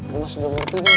lo sudah mau tidur